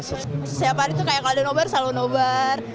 setiap hari itu kalau ada nobar selalu nobar